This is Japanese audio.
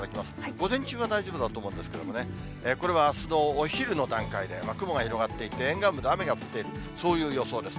午前中は大丈夫だと思うんですけれどもね、これはあすのお昼の段階で、雲が広がっていて、沿岸部で雨が降っている、そういう予想です。